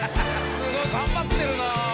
すごい頑張ってるな。